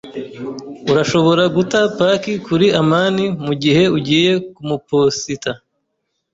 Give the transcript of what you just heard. Urashobora guta paki kuri amani mugihe ugiye kumaposita?